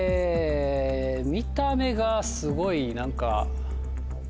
見た目がすごい何か。